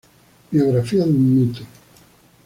Biografía de un mito.